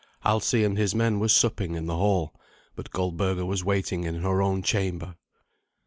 Alsi and his men were supping in the hall, but Goldberga was waiting in her own chamber.